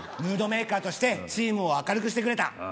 ムードメーカーとしてチームを明るくしてくれた。